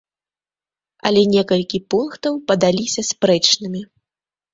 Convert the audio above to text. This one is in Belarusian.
Але некалькі пунктаў падаліся спрэчнымі.